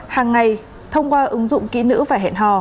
hàng ngày thông qua ứng dụng kỹ nữ và hẹn hò